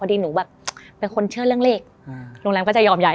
ดีหนูแบบเป็นคนเชื่อเรื่องเรข